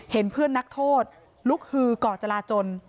เห็นเพื่อนนักโทษลุกฮือก่อจราจน